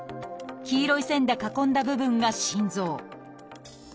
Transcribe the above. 黄色い線で囲んだ部分が心臓。